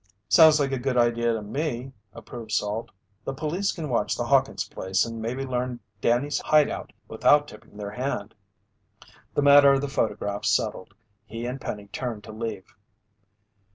"Sounds like a good idea to me," approved Salt. "The police can watch the Hawkins place and maybe learn Danny's hideout without tipping their hand." The matter of the photograph settled, he and Penny turned to leave.